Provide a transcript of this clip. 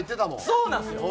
そうなんですよ！